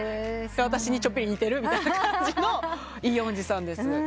で私にちょっぴり似てるみたいな感じのイ・ヨンジさんです。